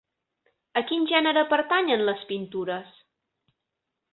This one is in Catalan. A quin gènere pertanyen les pintures?